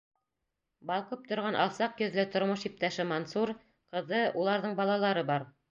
Балҡып торған алсаҡ йөҙлө тормош иптәше Мансур, ҡыҙы, уларҙың балалары бар.